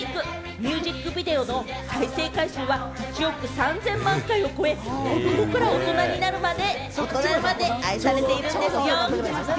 ミュージックビデオの再生回数は１億３０００万回を超え、子どもから大人にまで愛されているんでぃす。